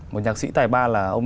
một nhạc sĩ tài ba là ông